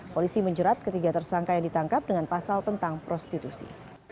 polisi menjerat ketiga tersangka yang ditangkap dengan pasal tentang prostitusi